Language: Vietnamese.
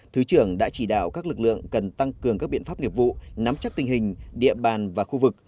thứ trưởng đã chỉ đạo các lực lượng cần tăng cường các biện pháp nghiệp vụ nắm chắc tình hình địa bàn và khu vực